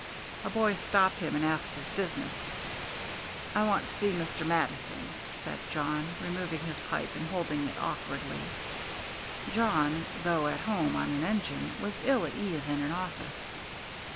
A boy stopped him and asked his business. "I want to see Mr. Mattison," said Jawn, removing his pipe and holding it awkwardly: Jawn, though at home on an engine, was ill at ease in an office.